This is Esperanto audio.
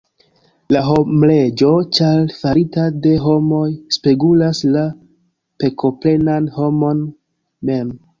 La homleĝo, ĉar farita de homoj, spegulas la pekoplenan homon mem.